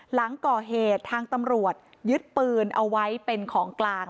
หลังก่อเหตุทางตำรวจยึดปืนเอาไว้เป็นของกลาง